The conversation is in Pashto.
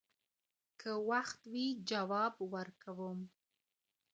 که وخت وي جواب ورکوم